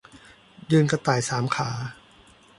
ยืนกระต่ายสามขา